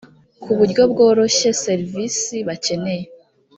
ku buryo bworoshye serivisi bakeneye